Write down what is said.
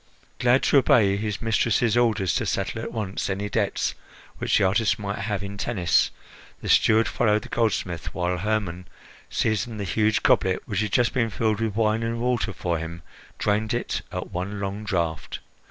Glad to obey his mistress's orders to settle at once any debts which the artist might have in Tennis, the steward followed the goldsmith while Hermon, seizing the huge goblet which had just been filled with wine and water for him drained it at one long draught.